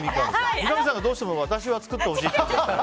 三上さんがどうしても私の作ってほしいって言うなら。